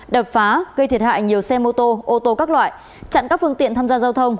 đập phá gây thiệt hại nhiều xe mô tô ô tô các loại chặn các phương tiện tham gia giao thông